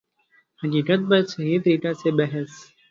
حقیقت پر صحیح طریقہ سے بحث